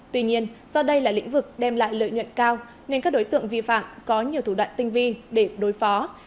tuy nhiên do đây là lĩnh vực đem lại lợi nhuận cao nên các đối tượng vi phạm có nhiều thủ đoạn tinh vi để đối phó